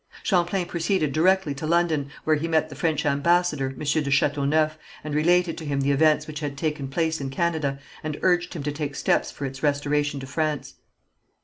Champlain proceeded directly to London, where he met the French ambassador, M. de Chateauneuf, and related to him the events which had taken place in Canada, and urged him to take steps for its restoration to France.